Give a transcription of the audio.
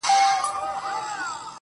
دردونه مي د ستوريو و کتار ته ور وړم